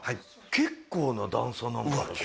結構な段差なんだね